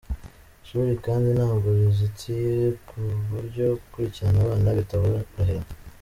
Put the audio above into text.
Ishuri kandi ntabwo rizitiye ku buryo gukurikirana abana bitaborohera.